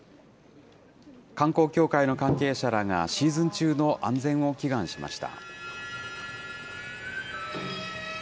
観光協会の関係者らがシーズン中の安全を祈願しました。